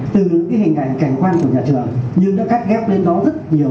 từ cái hình ảnh cảnh quan của nhà trường nhưng nó cắt ghép lên đó rất nhiều